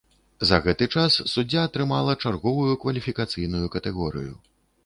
За гэты час суддзя атрымала чарговую кваліфікацыйную катэгорыю.